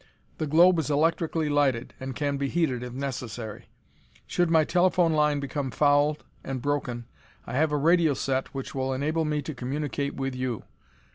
The globe is electrically lighted, and can be heated if necessary. Should my telephone line become fouled and broken, I have a radio set which will enable me to communicate with you.